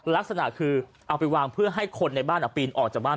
ลักษณะคือเอาไปวางเพื่อให้คนในบ้าน